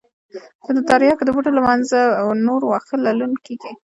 چې د ترياکو د بوټو له منځه نور واښه للون کېږي.